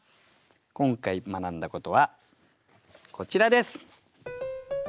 今回学んだことはこちらです。